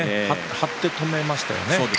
張って止めましたね。